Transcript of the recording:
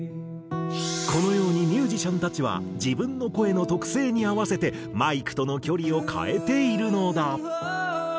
このようにミュージシャンたちは自分の声の特性に合わせてマイクとの距離を変えているのだ。